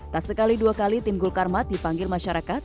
tak sekali dua kali tim gul karmat dipanggil masyarakat